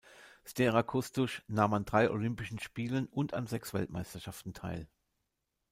Stera-Kustusz nahm an drei Olympischen Spielen und an sechs Weltmeisterschaften teil.